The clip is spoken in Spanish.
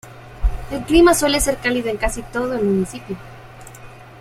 El clima suele ser cálido en casi todo el municipio.